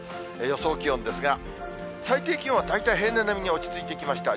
予想気温ですが、最低気温は大体平年並みに落ち着いてきました。